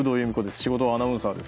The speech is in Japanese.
仕事はアナウンサーです。